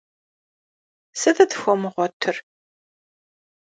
Сытыт фхуэмыгъуэтыр?